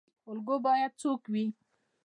الګو باید څوک وي؟